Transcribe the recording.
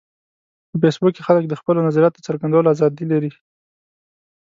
په فېسبوک کې خلک د خپلو نظریاتو د څرګندولو ازادي لري